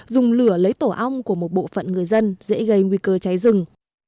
dùng lửa lấy tổ ong của một bộ phận người dân dễ gây nguy cơ cháy rừng